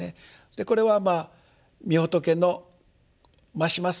これはまあみ仏のまします